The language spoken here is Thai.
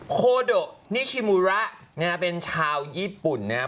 โคโดนิชิมูระเป็นชาวญี่ปุ่นนะฮะ